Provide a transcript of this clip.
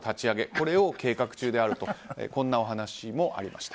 これを計画中であるというお話もありました。